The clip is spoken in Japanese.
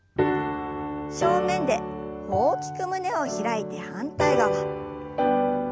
正面で大きく胸を開いて反対側。